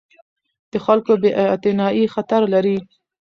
د خلکو بې اعتنايي خطر لري